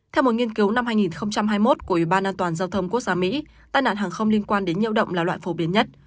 theo một nghiên cứu năm hai nghìn hai mươi một của ủy ban an toàn giao thông quốc gia mỹ tai nạn hàng không liên quan đến nhiễu động là loại phổ biến nhất